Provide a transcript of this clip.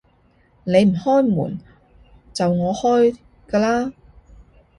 你唔開門，就我開㗎喇